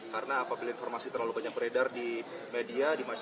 karena apabila informasi terlalu banyak beredar di media